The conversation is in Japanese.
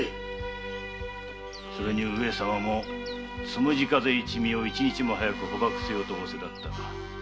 それに上様も「つむじ風一味を一日も早く捕縛せよ」との仰せだった。